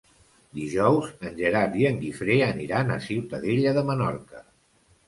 Dijous en Gerard i en Guifré aniran a Ciutadella de Menorca.